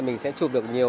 mình sẽ chụp được nhiều